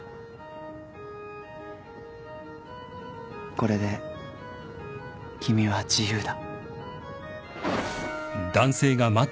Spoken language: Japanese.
これで君は自由だ。